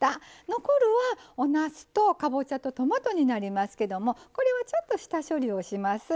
残るはおなすとかぼちゃとトマトになりますけどもこれはちょっと下処理をします。